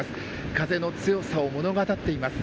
風の強さを物語っています。